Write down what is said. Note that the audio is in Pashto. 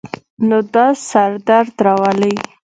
نو دا سر درد راولی